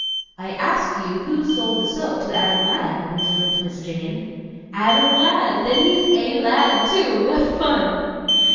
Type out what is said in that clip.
"I asked you who sold the soap to Adam Ladd?" resumed Miss Jane. "Adam Ladd! then he's A. Ladd, too; what fun!"